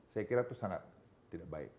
saya kira itu sangat tidak baik